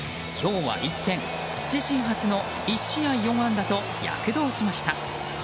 今日は一転、自身初の１試合４安打と躍動しました。